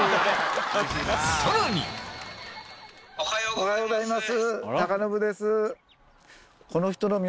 おはようございます。